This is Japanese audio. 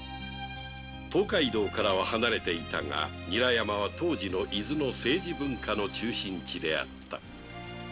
東海道からは離れていたが韮山は当時の伊豆の政治文化の中心地であった